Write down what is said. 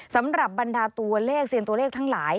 สำหรับบรรดาตัวเลขเซียนตัวเลขทั้งหลาย